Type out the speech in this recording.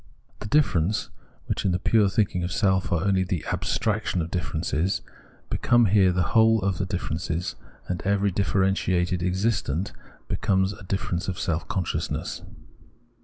The differences, which, in the pure thinking of self are only the abstraction of differences, become here the whole of the differences ; and every differentiated existent becomes a difference of self consciousness.